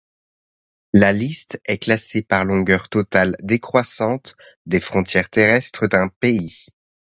La liste est classée par longueur totale décroissante des frontières terrestres d'un pays.